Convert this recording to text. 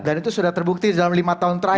dan itu sudah terbukti dalam lima tahun terakhir